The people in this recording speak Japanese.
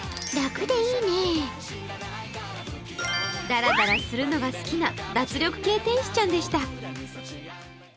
だらだらするのが好きな脱力系天使ちゃんでした。